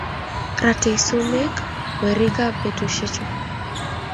Ratei sumek werikab betusiechu